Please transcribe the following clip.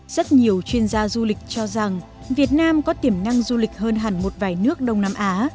rất nhiều chuyên gia du lịch cho rằng việt nam có tiềm năng du lịch hơn hẳn một vài nước đông nam á